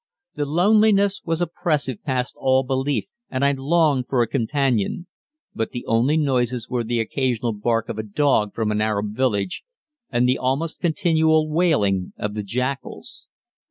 The loneliness was oppressive past all belief and I longed for a companion, but the only noises were the occasional bark of a dog from an Arab village and the almost continual wailing of the jackals.